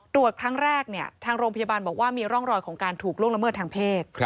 ตรวจครั้งแรกทางโรงพยาบาลบอกว่ามีร่องรอยของการถูกล่วงละเมิดทางเพศ